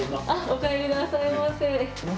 お帰りなさいませ。